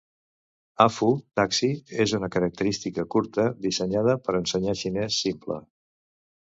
A-Fu taxi és una característica curta dissenyada per ensenyar xinès simple.